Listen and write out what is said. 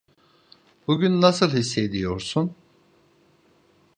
Bugün nasıl hissediyorsun?